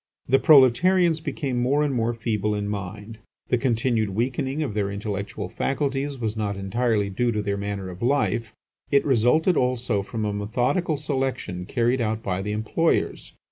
The proletarians became more and more feeble in mind. The continued weakening of their intellectual faculties was not entirely due to their manner of life; it resulted also from a methodical selection carried out by the employers.